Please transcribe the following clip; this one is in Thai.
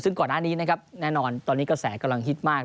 ซึ่งก่อนหน้านี้นะครับแน่นอนตอนนี้กระแสกำลังฮิตมาก